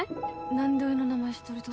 何でおいの名前知っとると？